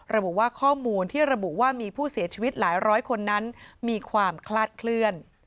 ระบุว่าข้อมูลที่ระบุว่ามีผู้เสียชีวิตหลายร้อยคนนั้นมีความคลาดเคลื่อน